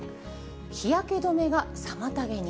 日焼け止めが妨げに？